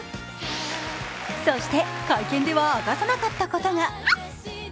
そして会見では明かさなかったことが。